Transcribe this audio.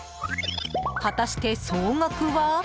果たして、総額は？